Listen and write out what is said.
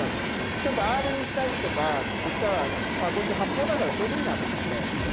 ちょっとＲにしたいとかいったら、こいつ発砲だからちょうどいいなと思って。